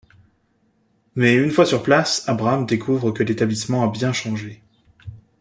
Mais une fois sur place, Abraham découvre que l'établissement a bien changé.